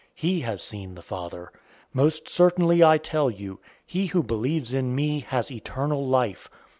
He has seen the Father. 006:047 Most certainly, I tell you, he who believes in me has eternal life.